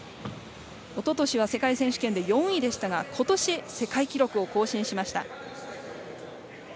おととしは世界選手権で４位でしたがことし、世界記録を更新しました。